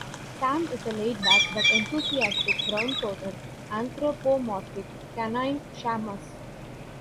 Sam is a laid-back but enthusiastic, brown-coated anthropomorphic "canine shamus".